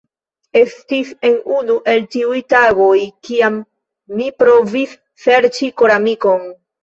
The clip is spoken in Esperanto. Estis en unu el tiuj tagoj, kiam mi provis serĉi koramikon.